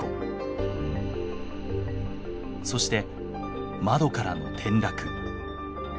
そして窓からの転落。